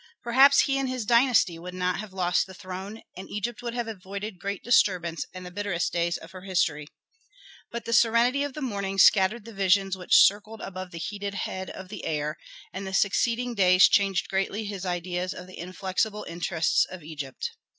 Perhaps he and his dynasty would not have lost the throne, and Egypt would have avoided great disturbance and the bitterest days of her history. But the serenity of morning scattered the visions which circled above the heated head of the heir, and the succeeding days changed greatly his ideas of the inflexible interests of Egypt.